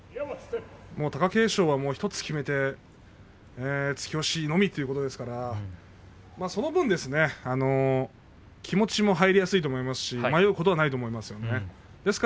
貴景勝が１つ決めて突き押しのみということですからその分、気持ちも入りやすいと思いますし迷うことはないと思いますね。